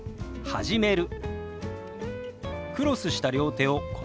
「始める」。